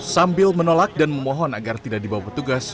sambil menolak dan memohon agar tidak dibawa petugas